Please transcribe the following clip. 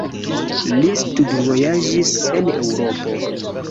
Li studvojaĝis en Eŭropo.